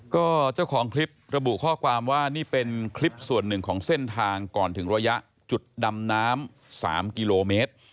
ก็เจ้าของคลิประบุข้อความว่านี่เป็นคลิปส่วนหนึ่งของเส้นทางก่อนถึงระยะจุดดำน้ำ๓กิโลเมตร